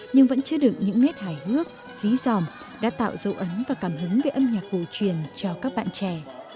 nhưng vẫn chưa được những nét hài hước dí dòm đã tạo dấu ấn và cảm hứng về âm nhạc hồ truyền cho các bạn trẻ